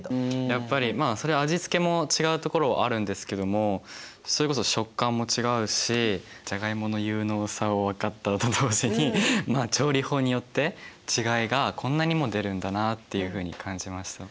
やっぱりまあそりゃ味付けも違うところはあるんですけどもそれこそ食感も違うしジャガイモの有能さを分かったと同時にまあ調理法によって違いがこんなにも出るんだなっていうふうに感じました。